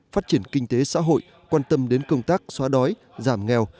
phát triển kinh tế xã hội quan tâm đến công tác xóa đói giảm nghèo